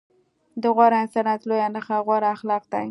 د غوره انسانيت لويه نښه غوره اخلاق دي.